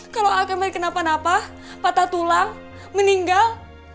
kalau agama kenapa napa patah tulang meninggal